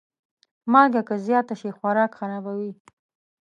مالګه که زیاته شي، خوراک خرابوي.